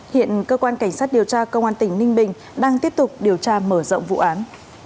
hiện cơ quan cảnh sát điều tra công an tỉnh ninh bình đang tiếp tục điều tra mở rộng vụ án